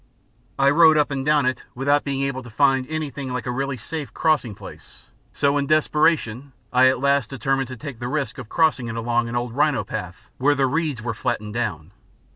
I rode up and down it without being able to find anything like a really safe crossing place, so in desperation I at last determined to take the risk of crossing it along an old rhino path where the reeds were flattened down.